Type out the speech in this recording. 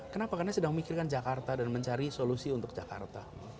kenapa karena sedang memikirkan jakarta dan mencari solusi untuk jakarta